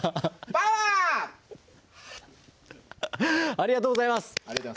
ありがとうございます！